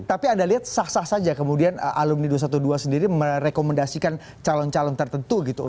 tapi anda lihat sah sah saja kemudian alumni dua ratus dua belas sendiri merekomendasikan calon calon tertentu gitu